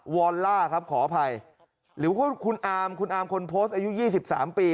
วอนล่าครับขออภัยหรือว่าคุณอามคุณอามคนโพสต์อายุยี่สิบสามปี